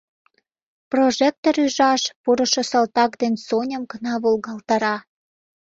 Прожектор ӱжаш пурышо салтак ден Соням гына волгалтара.